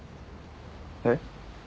えっ？